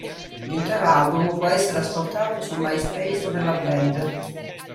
L'intero album può essere ascoltato sul MySpace della band.